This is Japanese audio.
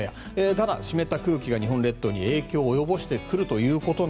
ただ湿った空気が日本列島に影響を及ぼしてくると。